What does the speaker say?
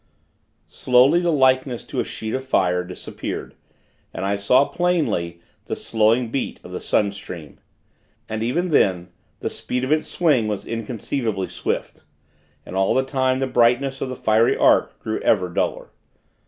Slowly, the likeness to a sheet of fire, disappeared, and I saw, plainly, the slowing beat of the sun stream. Yet, even then, the speed of its swing was inconceivably swift. And all the time, the brightness of the fiery arc grew ever duller.